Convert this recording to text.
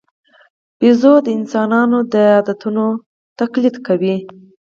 بیزو د انسانانو د عادتونو تقلید کوي.